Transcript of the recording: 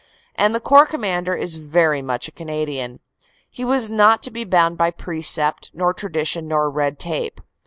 And the Corps Commander is very much a Canadian. He was not to be bound by precept, nor tradition nor red tape.